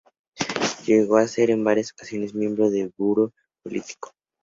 Llegó a ser, en varias ocasiones, miembro de su Buró Político.